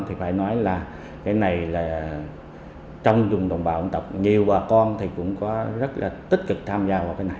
thì phải nói là cái này trong dùng đồng bào dân tộc nhiều bà con cũng có rất tích cực tham gia vào cái này